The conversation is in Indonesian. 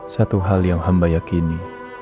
satu hal yang hamba yakini